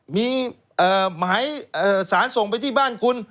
มีหมายสารส่งไปที่บ้านคุณ